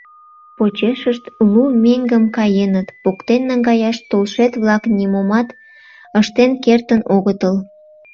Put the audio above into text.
Почешышт лу меҥгым каеныт, поктен наҥгаяш толшет-влак нимомат ыштен кертын огытыл.